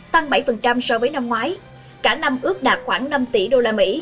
tăng bảy so với năm ngoái cả năm ước đạt khoảng năm tỷ usd